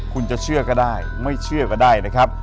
คุณจะเชื่อก็ได้ไม่เชื่อก็ได้นะครับ